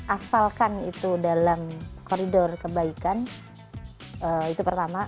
asalkan itu dalam koridor kebaikan itu pertama